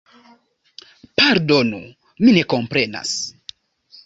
Pardonu, mi ne komprenas.